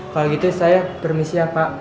kalau gitu saya permisi pak